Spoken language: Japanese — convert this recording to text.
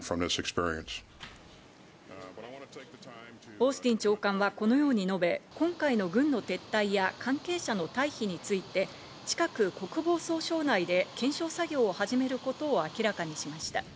オースティン長官はこのように述べ、今回の軍の撤退や関係者の退避について近く国防総省内で検証作業を始めることを明らかにしました。